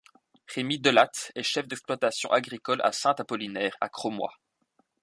Rémi Delatte est chef d'exploitation agricole à Saint-Apollinaire, à Cromois.